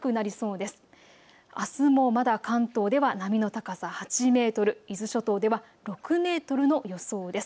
あすもまだ関東では波の高さ８メートル、伊豆諸島では６メートルの予想です。